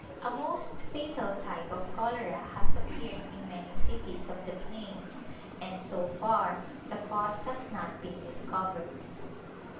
A most fatal type of cholera has appeared in many cities of the plains and, so far, the cause has not been discovered.